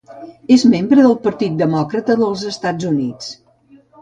És membre del Partit Demòcrata dels Estats Units.